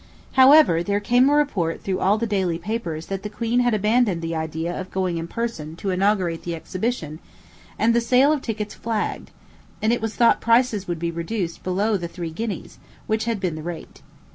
However, there came a report through all the daily papers that the queen had abandoned the idea of going in person to inaugurate the exhibition, and the sale of tickets flagged, and it was thought prices would be reduced below the three guineas, which had been the rate.